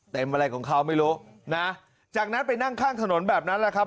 อะไรของเขาไม่รู้นะจากนั้นไปนั่งข้างถนนแบบนั้นแหละครับ